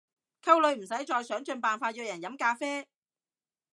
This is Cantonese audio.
溝女唔使再想盡辦法約人飲咖啡